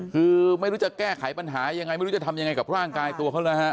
คือไม่รู้จะแก้ไขปัญหายังไงไม่รู้จะทำยังไงกับร่างกายตัวเขาเลยฮะ